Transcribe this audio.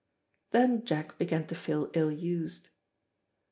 Then Jack began to feel ill used.